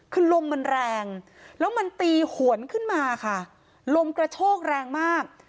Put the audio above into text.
คือลมมันแรงแล้วมันตีหวนขึ้นมาค่ะลมกระโชกแรงมาก